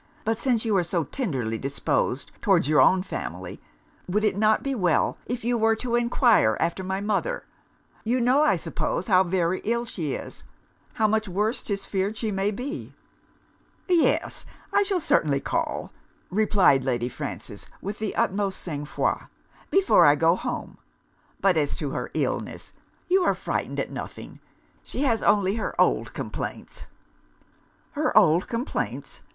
'But since you are so tenderly disposed towards your own family, would it not be well if you were to enquire after my mother? You know, I suppose, how very ill she is; how much worse 'tis feared she may be?' 'Yes, I shall certainly call,' replied Lady Frances with the utmost sang froid, 'before I go home. But as to her illness, you are frightened at nothing: she has only her old complaints.' 'Her old complaints!